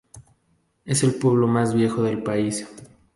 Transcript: Es el pueblo más viejo del país.